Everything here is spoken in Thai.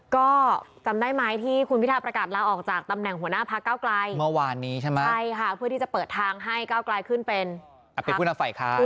ก็จำได้ไหมที่คุณพิทธาประกาศลาออกจากตำแหน่งหัวหน้าภาคเก้ากลาย